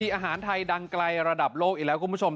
อาหารไทยดังไกลระดับโลกอีกแล้วคุณผู้ชม